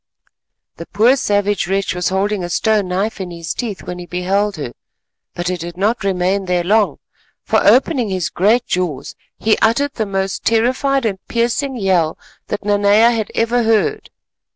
The poor savage wretch was holding a stone knife in his teeth when he beheld her, but it did not remain there long, for opening his great jaws he uttered the most terrified and piercing yell that Nanea had ever heard.